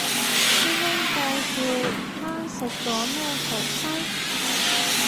師兄介紹返食咗咩好西